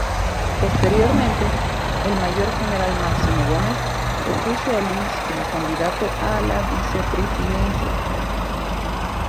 Posteriormente, el Mayor general Máximo Gómez, propuso a Luis como candidato a la vicepresidencia.